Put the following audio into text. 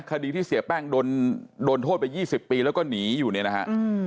คดีที่เสียแป้งโดนโทษไป๒๐ปีแล้วก็หนีอยู่เนี่ยนะฮะ